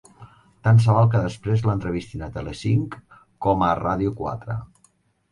Tant se val que després l'entrevistin a Tele-cinc com a Ràdio quatre.